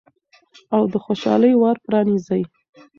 او د خوشحالۍ ور پرانیزئ.